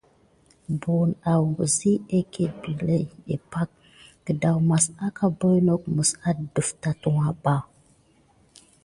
Bəwəne awzi akét binéŋɗé pak, kədawmas aka mécgok məs adəf tatuwa ɓa.